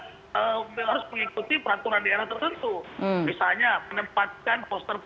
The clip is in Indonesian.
dikatur oleh prk sejajar ke depan